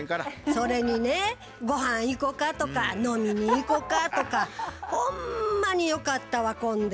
それにね「御飯行こか」とか「飲みに行こか」とかほんまによかったわ来んで。